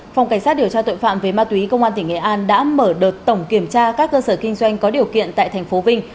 công an cảnh sát điều tra tội phạm về ma túy công an tỉnh nghệ an đã mở đợt tổng kiểm tra các cơ sở kinh doanh có điều kiện tại thành phố vinh